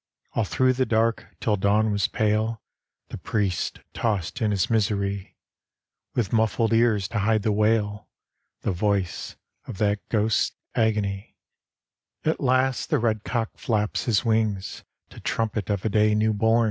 All through the dark, till dawn was pale, The priest tossed in his misery, With muffled ears to hide the wail The voice of tliat post's agony. D,gt,, erihyGOOgle The Haunted Hour At last the red cock flaps his wings, To trumpet of a day new bom.